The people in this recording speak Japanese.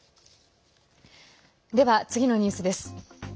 では、次のニュースです。